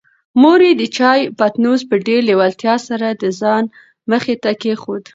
مور یې د چایو پتنوس په ډېرې لېوالتیا سره د ځان مخې ته کېښود.